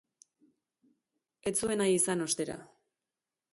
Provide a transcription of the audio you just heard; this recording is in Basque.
Ez zuen nahi izan, ostera.